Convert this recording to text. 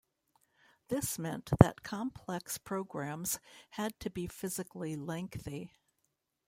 This meant that complex programs had to be physically lengthy.